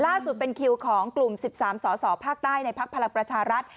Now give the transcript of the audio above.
เป็นคิวของกลุ่ม๑๓สสภาคใต้ในพักพลังประชารัฐ